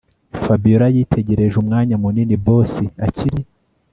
Fabiora yitegereje umwanya munini boss akiri